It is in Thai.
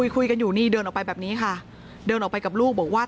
คุยกันอยู่นี่เดินออกไปแบบนี้ค่ะเดินออกไปกับลูกบอกว่า